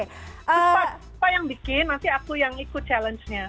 khuspa yang bikin nanti aku yang ikut challenge nya